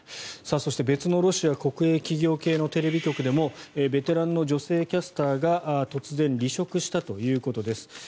そして、別のロシア国営企業系のテレビ局でもベテランの女性キャスターが突然、離職したということです。